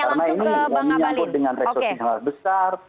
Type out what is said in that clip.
karena ini yang menyanggut dengan reksorsi sangat besar